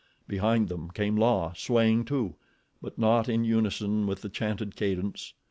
Behind them came La, swaying too; but not in unison with the chanted cadence.